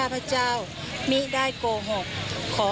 สาโชค